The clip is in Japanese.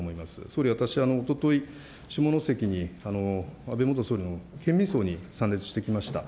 総理、私はおととい、下関に安倍元総理の県民葬に参列してきました。